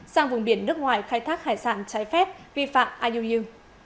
sang vùng biển nước ngoài khai thác hải sản trái phép vi phạm iuu